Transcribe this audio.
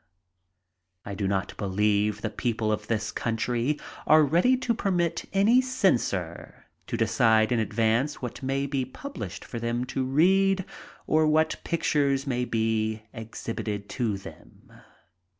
I do not believe the people of this country are ready to permit any censor to decide in advance what may be published for them to read, or what pictures may be exhibited to them.